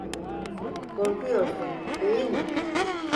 Korkuyorsun, değil mi?